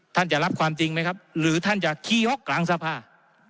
จะรับความจริงไหมครับหรือท่านจะขี้ฮอกกลางสภา